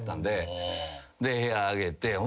で部屋上げて。